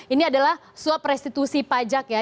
ini adalah suap restitusi pajak ya